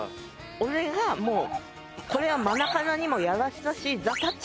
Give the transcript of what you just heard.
俺がもうこれはマナカナにもやらしたしザ・たっ